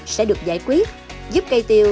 sẽ được giải quyết giúp cây tiêu